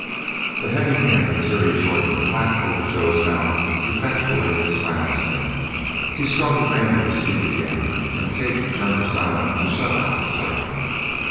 The heavy hand of Terry Jordan clapped over Joe's mouth effectually silenced him. He struggled vainly to speak again and Kate turned to Silent to shut out the sight.